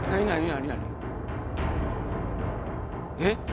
えっ？